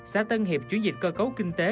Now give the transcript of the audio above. xã tân hiệp chuyển dịch cơ cấu kinh tế